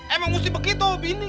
emang mesti begitu bini